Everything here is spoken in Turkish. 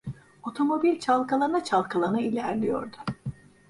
Otomobil çalkalana çalkalana ilerliyordu.